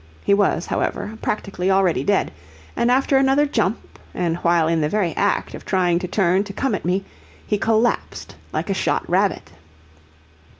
He was, however, practically already dead, and after another jump, and while in the very act of trying to turn to come at me, he collapsed like a shot rabbit.